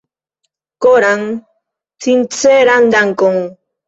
Koran sinceran dankon!